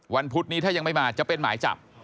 พุธนี้ถ้ายังไม่มาจะเป็นหมายจับ